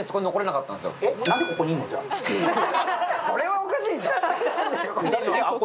それはおかしいでしょ！